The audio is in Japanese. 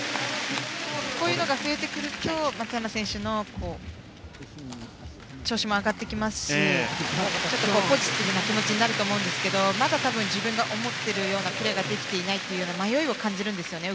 こういうのが増えてくると松山選手の調子も上がってきますしちょっとポジティブな気持ちになると思いますがまだ、多分自分が思っているようなプレーができていないという迷いを感じるんですよね